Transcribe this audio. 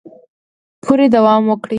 پورې دوام وکړي